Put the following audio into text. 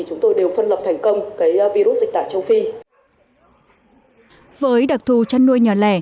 chúng tôi đều phân lập thành công cái virus dịch tả châu phi với đặc thù chăn nuôi nhỏ lẻ